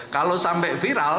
kalau sampai viral